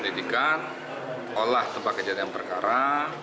menyelidikan olah tembak kejadian yang berkara